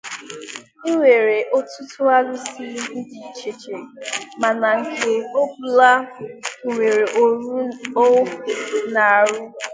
Enwere ọtụtụ Alusi dị iche iche mana nke ọ bụla nwere ọrụ ọ na-arụ.